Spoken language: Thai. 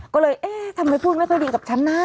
ก็เลยเอ๊ะทำไมพูดไม่ค่อยดีกับฉันนะ